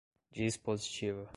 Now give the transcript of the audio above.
dispositiva